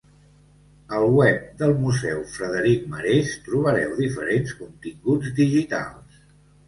Al web del Museu Frederic Marès trobareu diferents continguts digitals.